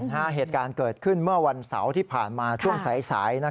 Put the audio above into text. เหตุการณ์เกิดขึ้นเมื่อวันเสาร์ที่ผ่านมาช่วงสาย